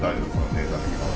データ的な。